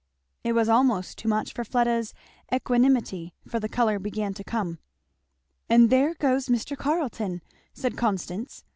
It was almost too much for Fleda's equanimity, for the colour began to come. "And there goes Mr. Carleton!" said Constance.